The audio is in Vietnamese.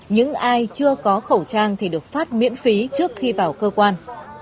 những ai chưa có khẩu trang thì được phát miễn phí trước khi vào cơ quan